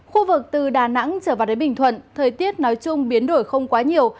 khu vực từ đà nẵng trở vào đến bình thuận thời tiết nói chung biến đổi không quá nhiều